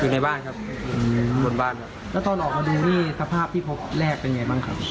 ในบ้านครับบนบ้านครับแล้วตอนออกมาดูนี่สภาพที่พบแรกเป็นไงบ้างครับ